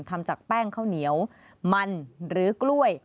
ทำจากแป้งข้าวเหนียวมันหรือกล้วย